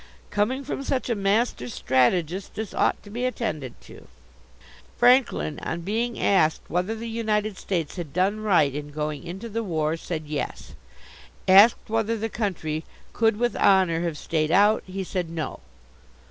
Coming from such a master strategist, this ought to be attended to. Franklin, on being asked whether the United States had done right in going into the war, said "Yes"; asked whether the country could with honour have stayed out, he said "No."